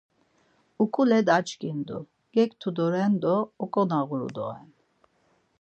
Oǩule daç̌ǩindu, gektu doren do oǩonağuru doren.